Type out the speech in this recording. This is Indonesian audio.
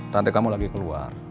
tante kamu lagi keluar